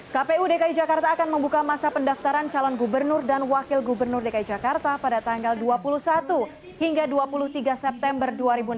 kpu dki jakarta akan membuka masa pendaftaran calon gubernur dan wakil gubernur dki jakarta pada tanggal dua puluh satu hingga dua puluh tiga september dua ribu enam belas